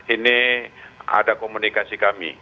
ini ada komunikasi kami